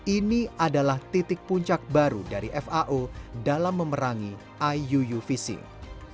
ini adalah titik puncak baru dari fao dalam memerangi iuu fishing